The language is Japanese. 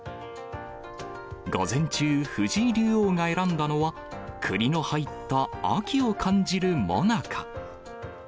午前中、藤井竜王が選んだのは、くりの入った秋を感じるもなか。